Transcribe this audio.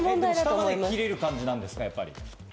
下まで切れる感じですか？